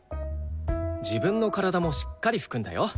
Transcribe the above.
自分の体もしっかり拭くんだよ。